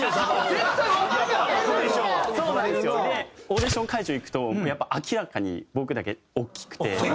オーディション会場行くとやっぱ明らかに僕だけ大きくて。